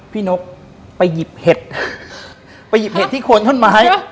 พี่นกไปหยิบเห็ดที่โค้นต้นไม้